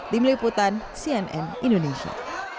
di meliputan cnn indonesia